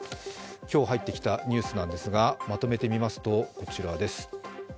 今日入ってきたニュースなんですがまとめてみますとこちらです。